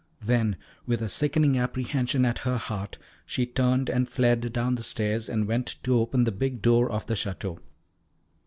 Then with a sickening apprehension at her heart, she turned and fled down the stairs and went to open the big door of the Château.